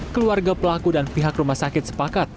keluarga pelaku dan pihak rumah sakit sepakat